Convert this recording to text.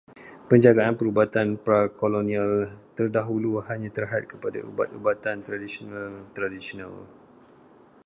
Penjagaan perubatan pra-kolonial terdahulu hanya terhad kepada ubat-ubatan tradisional tradisional.